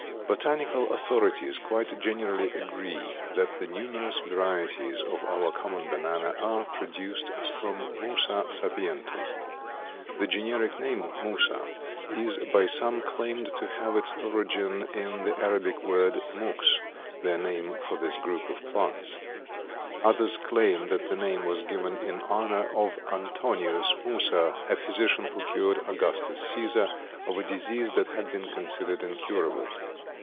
Botanical authorities quite generally agree that the numerous varieties of our common banana are produced from Musa sapientum. The generic name, Musa, is by some claimed to have its origin in the Arabic word Moux, their name for this group of plants. Others claim that the name was given in honor of Antonius Musa, a physician who cured Augustus Caesar of a disease that had been considered incurable.